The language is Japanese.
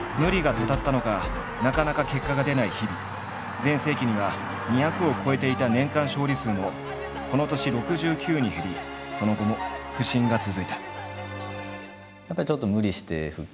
全盛期には２００を超えていた年間勝利数もこの年６９に減りその後も不振が続いた。